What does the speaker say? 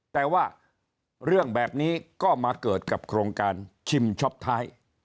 แต่ว่าเรื่องแบบนี้ก็มาเกิดกับโครงการชิมช็อปท้าย